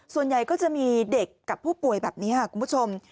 ส่วนใหญ่ก็จะมีเด็กกับผู้ป่วยแบบนี้ค่ะคุณผู้ชม